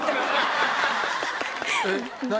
えっ何？